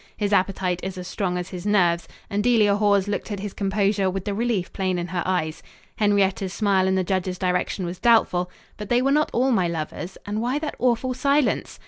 His appetite is as strong as his nerves, and Delia Hawes looked at his composure with the relief plain in her eyes. Henrietta's smile in the judge's direction was doubtful. But they were not all my lovers, and why that awful silence?